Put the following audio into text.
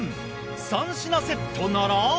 ３品セットなら。